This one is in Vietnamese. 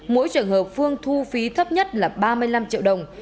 mỗi trường hợp phương thu phí thấp nhất là ba mươi năm triệu đồng